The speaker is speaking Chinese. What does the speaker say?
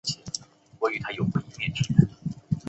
头孢达肟是一种第三代头孢菌素。